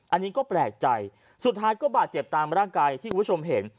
อันนี้ก็แปลกใจสุดท้ายก็บาดเจ็บตามร่างกายที่คุณผู้ชมเห็น